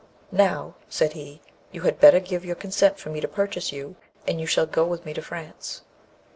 'Now,' said he, 'you had better give your consent for me to purchase you, and you shall go with me to France.'